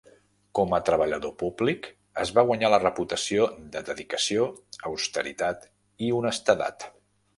Com a treballador públic, es va guanyar la reputació de dedicació, austeritat i honestedat.